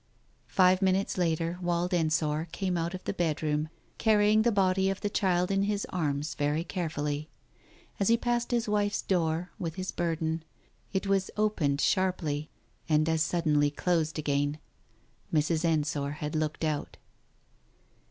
Five minutes later, Wald Ensor came out of the bed room, carrying the body of the child in his arms very carefully. As he passed his wife's door, with his burden, it was opened sharply and as suddenly closed again. Mrs. Ensor had looked out.